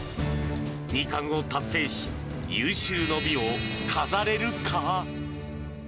２冠を達成し、有終の美を飾れるか。